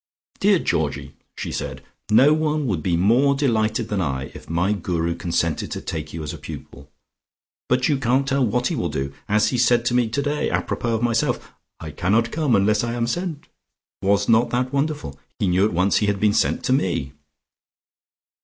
"Dear Georgie," she said, "no one would be more delighted than I if my Guru consented to take you as a pupil. But you can't tell what he will do, as he said to me today, apropos of myself, 'I cannot come unless I'm sent.' Was not that wonderful? He knew at once he had been sent to me."